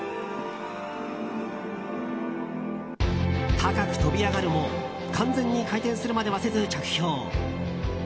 高く跳び上がるも完全に回転するまではせず、着氷。